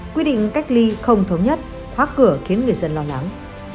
quy định cách ly không thống nhất khóa cửa khiến người dân lo lắng